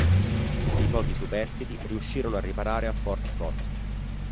I pochi superstiti riuscirono a riparare a Fort Scott.